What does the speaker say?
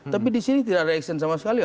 tapi di sini tidak ada action sama sekali